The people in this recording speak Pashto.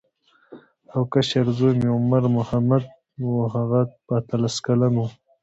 او کشر زوی مې عمر محمد و هغه به اتلس کلن و.